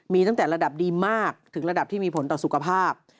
มีตั้งแต่ระดับดีมากถึงระดับที่มีผลต่อสุขภาพ